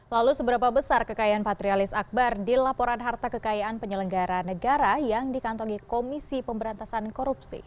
lalu seberapa besar kekayaan patrialis akbar di laporan harta kekayaan penyelenggara negara yang dikantongi komisi pemberantasan korupsi